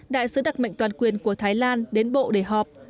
đại sứ đặc mệnh toàn quyền của thái lan đến bộ để họp